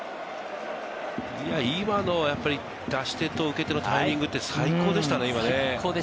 今のは、出し手と受け手のタイミングって最高でしたね、今ね。